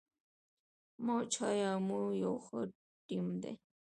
موج های امو یو ښه ټیم دی.